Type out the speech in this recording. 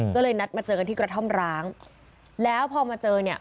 ก็เลยนัดมาเจอกันที่กระท่อมร้างแล้วพอมาเจอเนี่ย